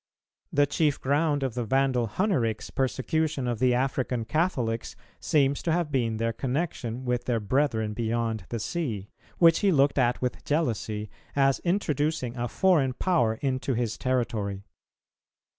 The chief ground of the Vandal Hunneric's persecution of the African Catholics seems to have been their connexion with their brethren beyond the sea,[281:2] which he looked at with jealousy, as introducing a foreign power into his territory.